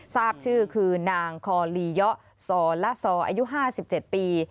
ทราบชื่อคือนางคอลียะซอละซออายุ๕๗ปี